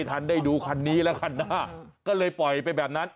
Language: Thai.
ทันได้ดูคันนี้แล้วคันหน้าก็เลยปล่อยไปแบบนั้น